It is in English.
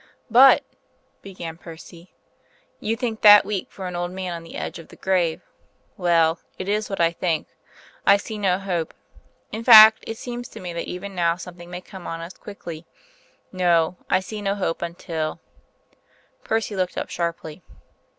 "But " began Percy. "You think that weak for an old man on the edge of the grave. Well, it is what I think. I see no hope. In fact, it seems to me that even now something may come on us quickly. No; I see no hope until " Percy looked up sharply.